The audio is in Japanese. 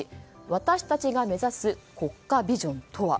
私たちが目指す国家ビジョンとは。